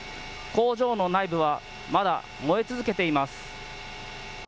工場の内部はまだ燃え続けています。